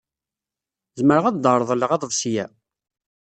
Zemreɣ ad d-reḍleƔ aḍebsi-ya?